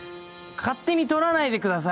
勝手に撮らないでください！